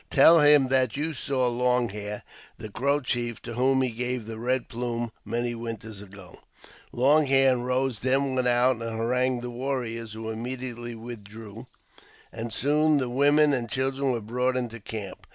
Tell him that you saw Long Hair, the Crow chief, to whom he gave the red plume many winters ago." Long Hair and Eose then went out and harangued the warriors, who immediately withdrew, and soon the woman and child were brought into camp.